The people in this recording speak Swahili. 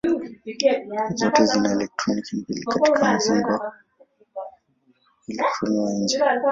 Zote zina elektroni mbili katika mzingo elektroni wa nje.